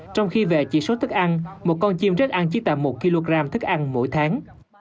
trong khi về chỉ số thức ăn một con chim rác ăn chỉ tầm một kg thức ăn mỗi tháng